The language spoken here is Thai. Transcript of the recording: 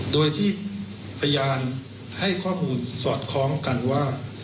โดยที่พยานให้ข้อมูลสอดคล้องกันว่า